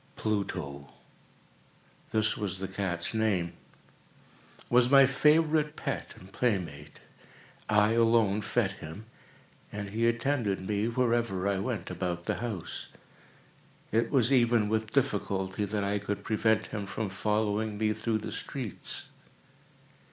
Pluto—this was the cat's name—was my favorite pet and playmate. I alone fed him, and he attended me wherever I went about the house. It was even with difficulty that I could prevent him from following me through the streets.